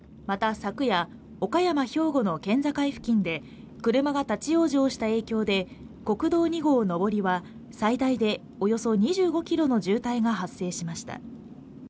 昨夜岡山兵庫の県境付近で車が立往生した影響で国道２号上りは最大でおよそ２５キロの渋滞が発生しました